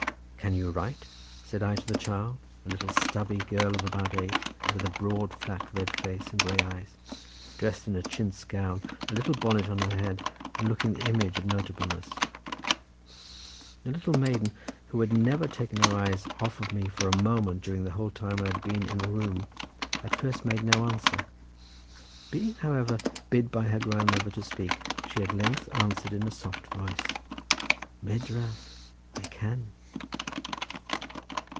"Can you write?" said I to the child, a little stubby girl of about eight, with a broad flat red face and grey eyes, dressed in a chintz gown, a little bonnet on her head, and looking the image of notableness. The little maiden, who had never taken her eyes off me for a moment during the whole time I had been in the room, at first made no answer; being, however, bid by her grandmother to speak, she at length answered in a soft voice, "Medraf, I can."